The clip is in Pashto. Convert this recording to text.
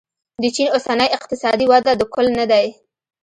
د چین اوسنۍ اقتصادي وده د کل نه دی.